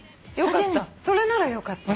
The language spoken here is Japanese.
それならよかった。